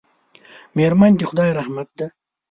میرمن د خدای رحمت دی.